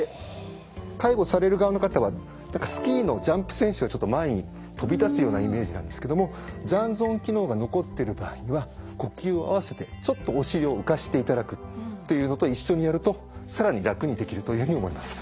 介護される側の方はスキーのジャンプ選手がちょっと前に飛び立つようなイメージなんですけども残存機能が残ってる場合には呼吸を合わせてちょっとお尻を浮かしていただくというのと一緒にやると更に楽にできるというふうに思います。